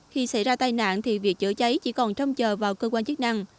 khi xảy ra tai nạn thì việc chữa cháy chỉ còn trông chờ vào cơ quan chức năng